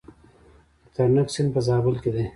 د ترنک سیند په زابل کې دی